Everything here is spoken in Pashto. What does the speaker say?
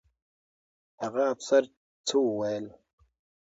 هغه افسر څه وویل؟